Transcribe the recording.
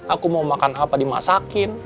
aku mau makan apa dimasakin